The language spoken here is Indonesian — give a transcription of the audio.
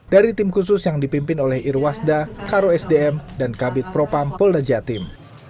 dari tim khusus yang dipimpin oleh irwasda karo sdm dan kabit propam polda jatim